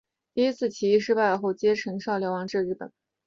第一次起义失败后偕陈少白流亡至日本。